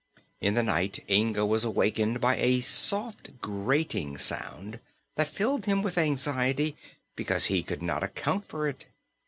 In the night Inga was awakened by a soft grating sound that filled him with anxiety because he could not account for it.